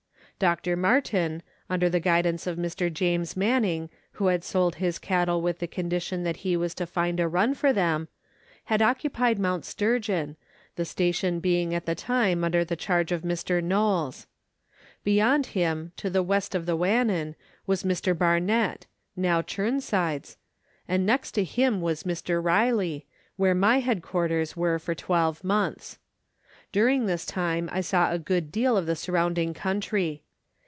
Dr. Martin, under the guidance of Mr. James Manning, who had sold his cattle with the condition that he was to find a run for them, had occupied Mount Sturgeon, the station being at the time under the charge of Mr. Knowles. Beyond him, to the west on the Wannon, was Mr. Barnett, now Chirnside's, and next to him was Mr. Riley, where my head quarters were for twelve months. During this time I saw a good deal of the surrounding country.